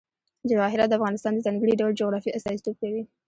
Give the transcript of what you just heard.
جواهرات د افغانستان د ځانګړي ډول جغرافیه استازیتوب کوي.